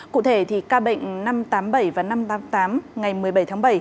cụ thể ca bệnh năm trăm tám mươi bảy và năm trăm tám mươi tám ngày một mươi bảy tháng bảy